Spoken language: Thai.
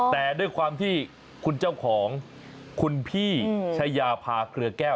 แต่ด้วยความที่คุณเจ้าของคุณพี่ชายาพาเกลือแก้ว